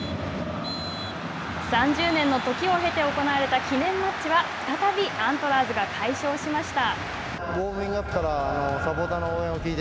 ３０年のときを経て行われた記念マッチは再びアントラーズが快勝しました。